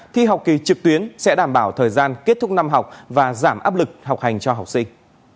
thì học kỳ trực tuyến sẽ đảm bảo thời gian kết thúc năm học và giảm áp lực học hành cho học sinh